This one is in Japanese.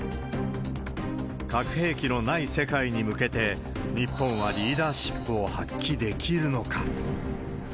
核兵器のない世界に向けて、日本はリーダーシップを発揮できるのか。